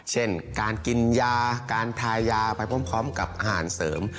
เช่นการกินยาการทายาไปพร้อมกับอาหารเสริม